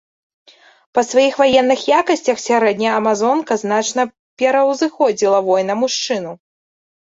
Па сваіх ваенных якасцях сярэдняя амазонка значна пераўзыходзіла воіна-мужчыну.